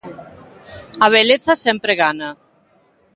A beleza sempre gana.